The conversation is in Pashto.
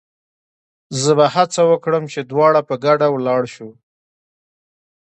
زه به هڅه وکړم چې دواړه په ګډه ولاړ شو.